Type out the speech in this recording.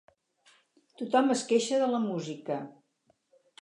Tothom es queixa de la música.